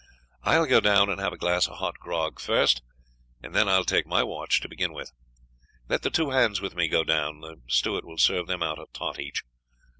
I will go down and have a glass of hot grog first, and then I will take my watch to begin with. Let the two hands with me go down; the steward will serve them out a tot each.